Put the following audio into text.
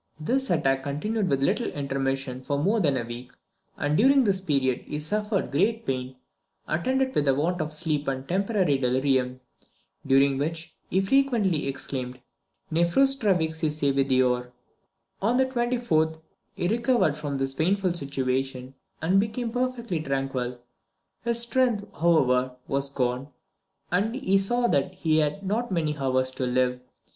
This attack continued with little intermission for more than a week, and, during this period, he suffered great pain, attended with want of sleep and temporary delirium, during which, he frequently exclaimed, Ne frustra vixisse videor. On the 24th he recovered from this painful situation, and became perfectly tranquil. His strength, however, was gone, and he saw that he had not many hours to live.